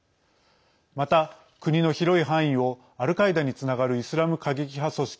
また、国の広い範囲をアルカイダにつながるイスラム過激派組織